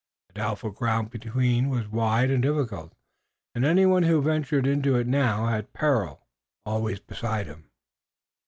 The doubtful ground between was wide and difficult, and anyone who ventured into it now had peril always beside him.